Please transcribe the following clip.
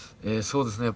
そうですね。